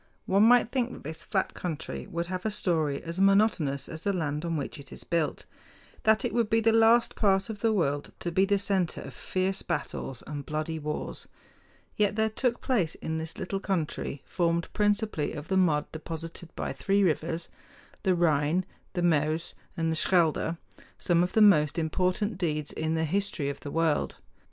One might think that this flat country would have a story as monotonous as the land on which it is built, that it would be the last part of the world to be the center of fierce battles and bloody wars. Yet there took place in this little country, formed principally of the mud deposited by three rivers, the Rhine, the Meuse, and the Schelde, some of the most important deeds in the history of the world.